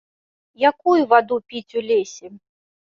Якую ваду піць у лесе?